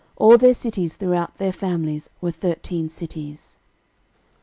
All their cities throughout their families were thirteen cities.